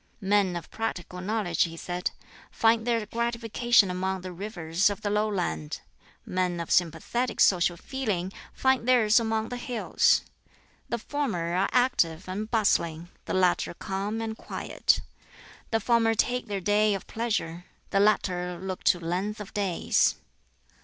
"Men of practical knowledge," he said, "find their gratification among the rivers of the lowland, men of sympathetic social feeling find theirs among the hills. The former are active and bustling, the latter calm and quiet. The former take their day of pleasure, the latter look to length of days."